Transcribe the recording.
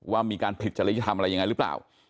ว่ามีการผิดจริยธรรมอะไรยังไงหรือเปล่า